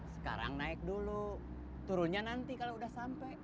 sekarang naik dulu turunnya nanti kalau udah sampai